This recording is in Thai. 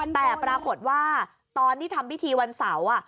แต่ปรากฏว่าตอนที่ทำพิธีวันเสาร์